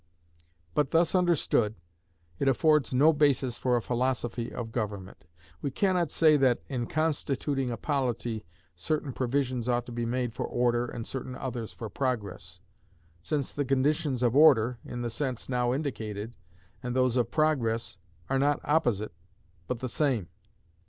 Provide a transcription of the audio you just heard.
But, thus understood, it affords no basis for a philosophy of government. We can not say that, in constituting a polity, certain provisions ought to be made for Order and certain others for Progress, since the conditions of Order, in the sense now indicated, and those of Progress, are not opposite, but the same.